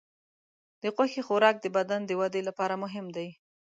د غوښې خوراک د بدن د وده لپاره مهم دی.